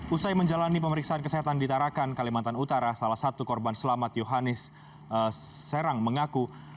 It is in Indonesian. usai menjalani pemeriksaan kesehatan di tarakan kalimantan utara salah satu korban selamat yohanis serang mengaku